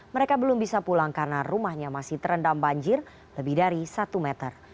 mereka belum bisa pulang karena rumahnya masih terendam banjir lebih dari satu meter